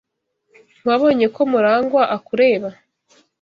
Ntiwabonye ko Murangwa akureba?